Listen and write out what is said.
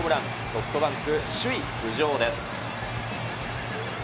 ソフトバンク首位浮上です。